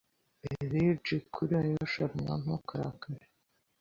Virgil kuri yo Charon ntukarakare